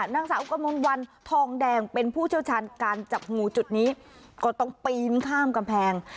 นางสาวกมลวันทองแดงเป็นผู้เชี่ยวชาญการจับงูจุดนี้ก็ต้องปีนข้ามกำแพง